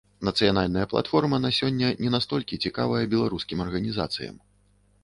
Нацыянальная платформа на сёння не настолькі цікавая беларускім арганізацыям.